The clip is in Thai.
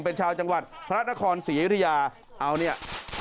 เป็นชาวจังหวัดพระนครศรีอยุธยาเอาเนี่ย